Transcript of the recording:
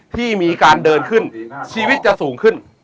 ที่มีการเดินขึ้นชีวิตจะสูงขึ้น